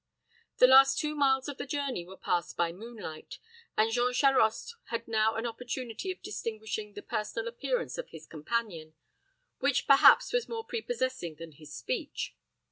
The last two miles of the journey were passed by moonlight, and Jean Charost had now an opportunity of distinguishing the personal appearance of his companion, which perhaps was more prepossessing than his speech.